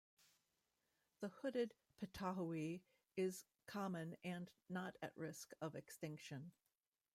The hooded pitohui is common and not at risk of extinction.